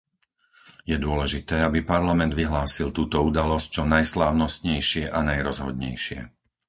Je dôležité, aby Parlament vyhlásil túto udalosť čo najslávnostnejšie a najrozhodnejšie.